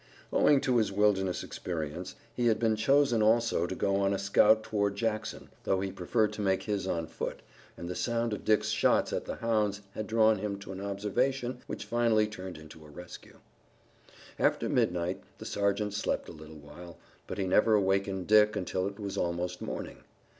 Owing to his wilderness experience he had been chosen also to go on a scout toward Jackson, though he preferred to make his on foot, and the sound of Dick's shots at the hounds had drawn him to an observation which finally turned into a rescue. After midnight the sergeant slept a little while, but he never awakened Dick until it was almost morning.